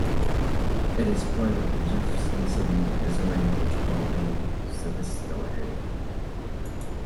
It is part of the Jefferson City, Missouri Metropolitan Statistical Area.